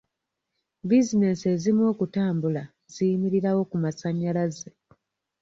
Bizinesi ezimu okutambula ziyimirirawo ku masanyalaze.